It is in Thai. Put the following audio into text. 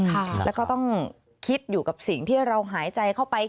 แล้วก็ต้องคิดอยู่กับสิ่งที่เราหายใจเข้าไป